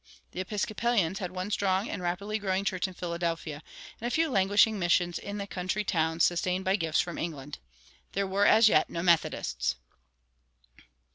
[147:1] The Episcopalians had one strong and rapidly growing church in Philadelphia, and a few languishing missions in country towns sustained by gifts from England. There were as yet no Methodists.